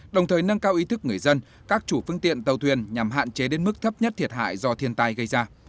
đồng thời nâng cao ý thức người dân các chủ phương tiện tàu thuyền nhằm hạn chế đến mức thấp nhất thiệt hại do thiên tai gây ra